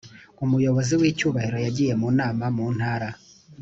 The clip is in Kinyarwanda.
umuyobozi w’icyubahiro yagiye mu nama mu ntara